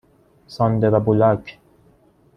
ساندرا بولاک